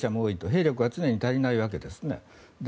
兵力が常に足りないわけですね。